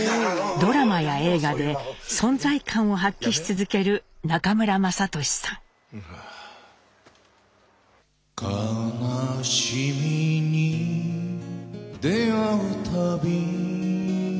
ドラマや映画で存在感を発揮し続ける中村雅俊さん。